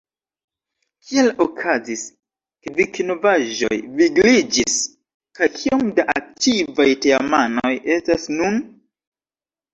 Kiel okazis, ke Vikinovaĵoj vigliĝis, kaj kiom da aktivaj teamanoj estas nun?